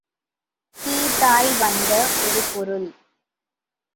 தீதாய் வந்த ஒரு பொருள்.